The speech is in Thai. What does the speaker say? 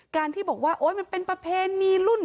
การที่บอกว่ามันเป็นประเพณีรุ่น